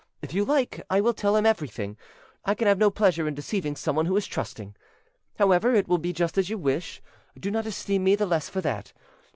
If you like, I will tell him every thing: I can have no pleasure in deceiving someone who is trusting. However, it will be just as you wish: do not esteem me the less for that.